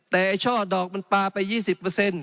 แต่ช่อดอกมันปลาไป๒๐เปอร์เซ็นต์